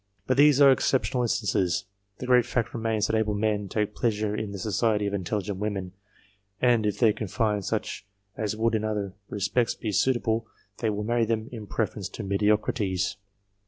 But these are exceptional instances; the great fact remains that able men take pleasure in the society of intelligent women, and, if they can find such as would in other respects be suitable, they will marry them in preference to mediocrities.